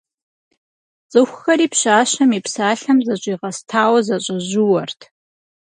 ЦӀыхухэри пщащэм и псалъэм зэщӀигъэстауэ, зэщӀэжьууэрт.